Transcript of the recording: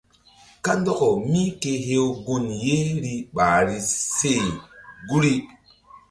Kandɔkaw míke hew gun yeri ɓahri se guri.